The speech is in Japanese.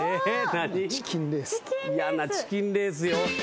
やなチキンレースよ。